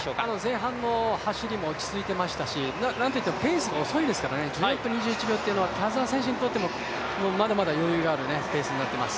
前半の走りも落ち着いていましたし、なんといってもペースが遅いですから１４分２１秒というのは、まだまだ余裕があるペースになっています。